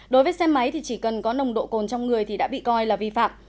đối với xe máy thì chỉ cần có nồng độ cồn trong người thì đã bị coi là vi phạm